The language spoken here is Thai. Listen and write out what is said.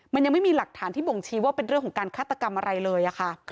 มันยังไม่มีหลักฐานที่บ่งชี้ว่าเป็นเรื่องของการฆาตกรรมอะไรเลยค่ะ